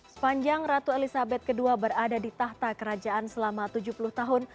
sepanjang ratu elizabeth ii berada di tahta kerajaan selama tujuh puluh tahun